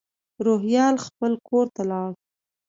روهیال خپل کور ته لاړ.